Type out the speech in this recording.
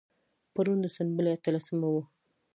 پرون د سنبلې اتلسمه وه.